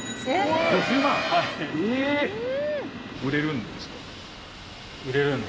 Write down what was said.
あっ売れるんですか。